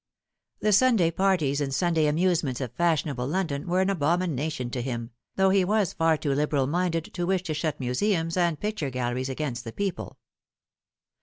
The Sunday parties and Sunday amusements of fashionable London were an abomination to him, though he was far too liberal minded to wish to shut museums and picture galleries against the people.